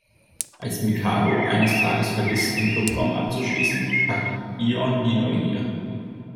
Als Mikado eines Tages vergisst, den Clubraum abzuschließen, packt Ion die Neugier.